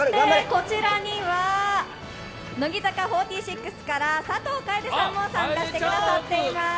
こちらには乃木坂４６から佐藤楓さんも参加してくださっています。